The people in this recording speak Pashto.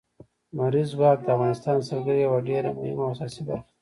لمریز ځواک د افغانستان د سیلګرۍ یوه ډېره مهمه او اساسي برخه ده.